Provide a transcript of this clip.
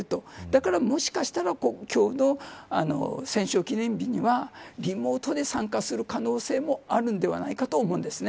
だから、もしかしたら今日の戦勝記念日にはリモートで参加する可能性もあるのではないかと思うんです。